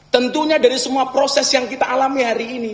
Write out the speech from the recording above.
tentunya dari semua proses yang kita alami hari ini